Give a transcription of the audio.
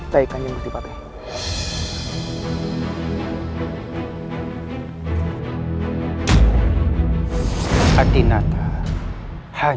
saya akan nyembusi pak teh